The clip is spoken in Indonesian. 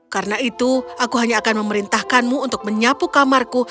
karena itu aku hanya akan memerintahkanmu untuk menyapu kamarku